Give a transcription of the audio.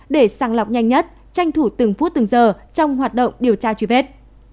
để sàng lọc nhanh nhất tranh thủ từng phút từng giờ trong hoạt động điều tra truy vết